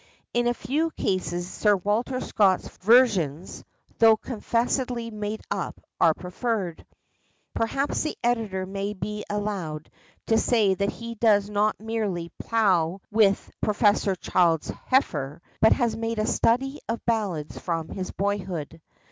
In a few cases Sir Walter Scott's versions, though confessedly "made up," are preferred. Perhaps the editor may be allowed to say that he does not merely plough with Professor Child's heifer, but has made a study of ballads from his boyhood.